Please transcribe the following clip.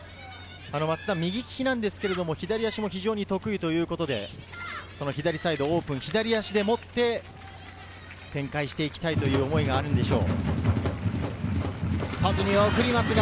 松田は右利きですが、左足も得意ということで、左サイドオープン、左を足でもって展開していきたいという思いがあるんでしょう。